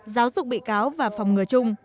giáo dục bị cáo và phòng ngừa chung